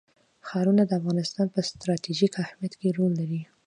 ښارونه د افغانستان په ستراتیژیک اهمیت کې رول لري.